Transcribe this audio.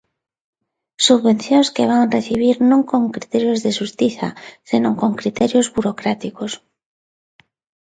Subvencións que van recibir non con criterios de xustiza, senón con criterios burocráticos.